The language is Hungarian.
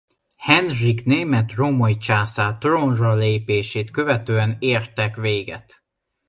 Henrik német-római császár trónra lépését követően értek véget.